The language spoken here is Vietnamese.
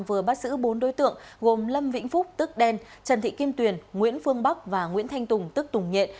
vừa bắt giữ bốn đối tượng gồm lâm vĩnh phúc tức đen trần thị kim tuyền nguyễn phương bắc và nguyễn thanh tùng tức tùng nhện